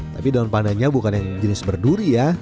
tapi daun pandannya bukan yang jenis berduri ya